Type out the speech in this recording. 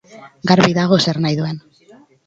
Garbi dago zer nahi duen.